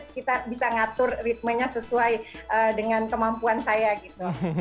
kita bisa ngatur ritmenya sesuai dengan kemampuan saya gitu